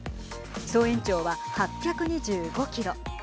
総延長は８２５キロ。